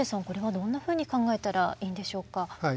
これはどんなふうに考えたらいいんでしょうか。